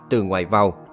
từ ngoài vào